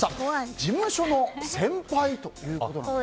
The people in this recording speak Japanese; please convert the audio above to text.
事務所の先輩ということなんです。